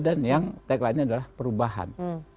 dan yang tagline nya adalah perubahan